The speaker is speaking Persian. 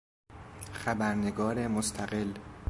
خبرنگار مستقل